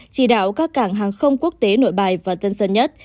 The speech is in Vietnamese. chỉ đạo các cảng hàng không quốc tế nội bài và tân sơn nhất